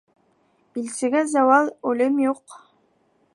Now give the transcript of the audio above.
Илсегә зәуал, үлем юҡ.